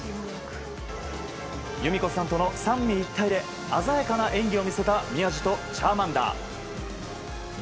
裕美子さんとの三位一体で鮮やかな演技を見せた宮路とチャーマンダー。